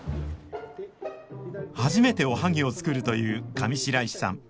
初めておはぎを作るという上白石さん。